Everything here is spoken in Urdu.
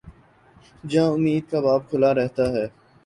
جہاں امید کا باب کھلا رہتا ہے۔